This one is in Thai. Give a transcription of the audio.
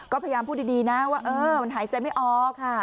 ก็พยายามพูดดีนะว่ามันหายใจไม่ออกค่ะ